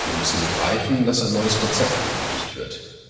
Wir müssen begreifen, dass ein neues Konzept benötigt wird.